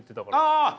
ああ！